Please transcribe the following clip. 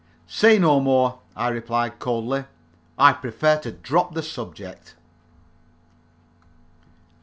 "Say no more," I replied, coldly. "I prefer to drop the subject."